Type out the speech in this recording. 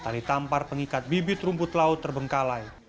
tali tampar pengikat bibit rumput laut terbengkalai